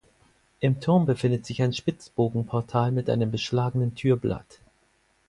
Im Turm befindet sich ein Spitzbogenportal mit einem beschlagenen Türblatt.